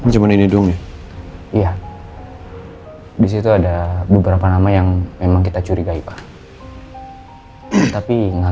cuman ini dulu iya disitu ada beberapa nama yang memang kita curigai pak tapi enggak